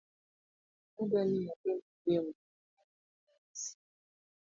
adwa ni adhi mapiyo mondo kik alew e klas